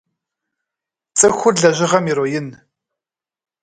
Цӏыхур лэжьыгъэм ироин.